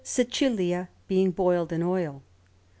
Cecilia being boiled in oil.